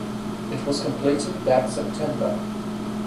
It was completed that September.